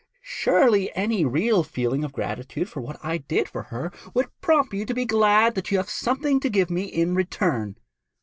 Surely any real feeling of gratitude for what I did for her would prompt you to be glad that you have something to give me in return.'